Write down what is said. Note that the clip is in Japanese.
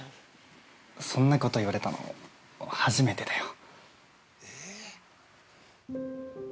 そんなこと言われたの、初めてだよ。